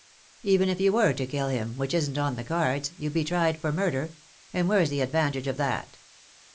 Even if you were to kill him, which isn^t on the cards, jou'd be tried for murder ; and whereas the advantage of that?'